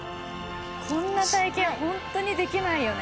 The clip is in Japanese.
こんな体験、本当にできないよね。